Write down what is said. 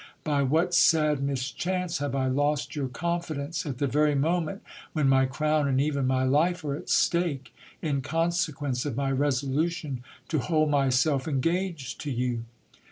By what sad mischance have I lost your confidence, at the very moment when my crown and even my life are at stake, in consequence of my resolution to hold myself engaged to you?